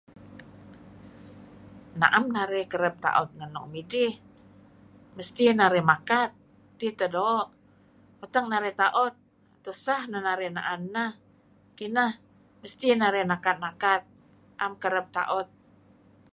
aem arih kereb taut ngen nuk midih. Mesti narih makat dih teh doo'. Tak narih taut tuseh neh narih naen nah. Kinah mesti narih nakat-nakat naem kereb taut.